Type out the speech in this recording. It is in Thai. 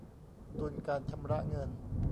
ดุลการชำระเงิน